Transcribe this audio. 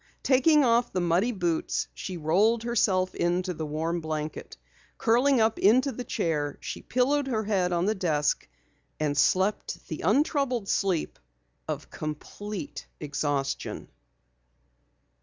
Taking off the muddy boots, she rolled herself into the warm blanket. Curling up into the chair she pillowed her head on the desk and slept the untroubled sleep of complete exhaustion.